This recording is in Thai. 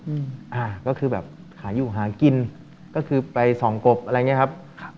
อืมอ่าก็คือแบบขายอยู่หากินก็คือไปส่องกบอะไรอย่างเงี้ยครับครับ